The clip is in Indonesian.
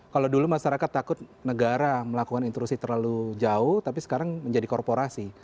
kalau dulu masyarakat takut negara melakukan intrusi terlalu jauh tapi sekarang menjadi korporasi